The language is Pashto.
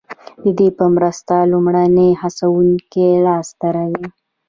ددې په مرسته لومړني هڅوونکي لاسته راځي.